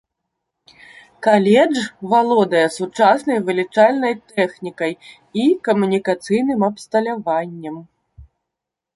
Каледж валодае сучаснай вылічальнай тэхнікай і камунікацыйным абсталяваннем.